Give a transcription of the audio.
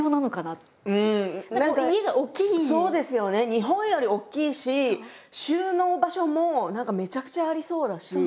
日本より大きいし収納場所も何かめちゃくちゃありそうだし。